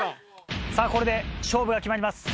これで勝負が決まります